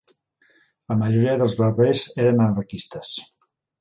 La majoria dels barbers eren anarquistes